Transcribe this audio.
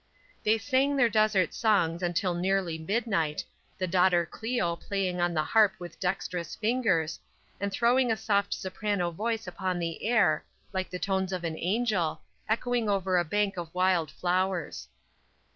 They sang their desert songs until nearly midnight, the daughter Cleo playing on the harp with dextrous fingers, and throwing a soft soprano voice upon the air, like the tones of an angel, echoing over a bank of wild flowers.